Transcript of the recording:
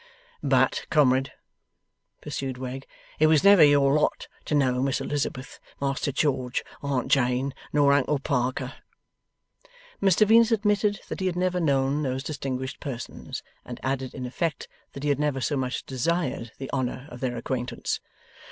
'But comrade,' pursued Wegg, 'it was never your lot to know Miss Elizabeth, Master George, Aunt Jane, nor Uncle Parker.' Mr Venus admitted that he had never known those distinguished persons, and added, in effect, that he had never so much as desired the honour of their acquaintance.